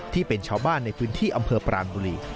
ที่เป็นชาวบ้านในพื้นที่อำเภอปรานบุรี